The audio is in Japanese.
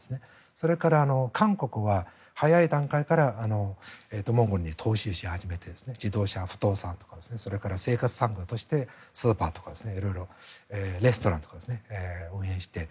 それから、韓国は早い段階からモンゴルに投資をし始めて自動車、不動産とかそれから生活産業としてスーパーとか色々レストランとか運営している。